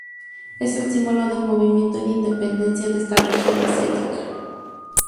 Es el símbolo del movimiento de independencia de esta región asiática.